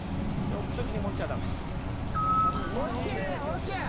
置く時に持っちゃダメ。